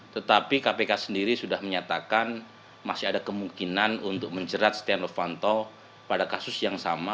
tetapi kpk sendiri sudah menyatakan masih ada kemungkinan untuk menjerat setia novanto pada kasus yang sama